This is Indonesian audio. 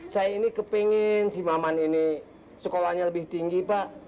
saya ini kepingin si maman ini sekolahnya lebih tinggi pak